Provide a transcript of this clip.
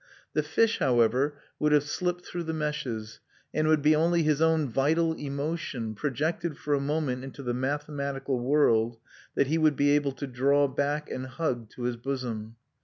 The fish, however, would have slipped through the meshes; and it would be only his own vital emotion, projected for a moment into the mathematical world, that he would be able to draw back and hug to his bosom.